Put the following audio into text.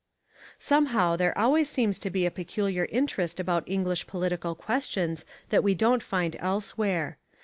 Somehow there always seems to be a peculiar interest about English political questions that we don't find elsewhere.